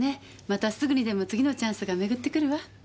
またすぐにでも次のチャンスが巡ってくるわ。